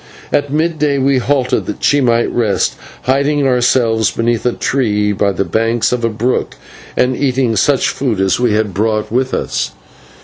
At mid day we halted that she might rest, hiding ourselves beneath a tree by the banks of a brook, and eating of such food as we had brought with us.